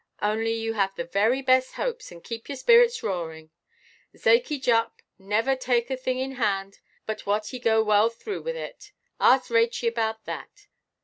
Only you have the very best hopes, and keep your spirits roaring. Zakey Jupp never take a thing in hand but what he go well through with it. Ask Rachey about that.